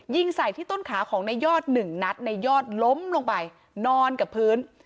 ยิงใส่ที่ต้นขาของในยอดหนึ่งนัดในยอดล้มลงไปนอนกับพื้น